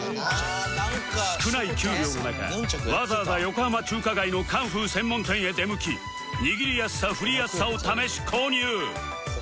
少ない給料の中わざわざ横浜中華街のカンフー専門店へ出向き握りやすさ振りやすさを試し購入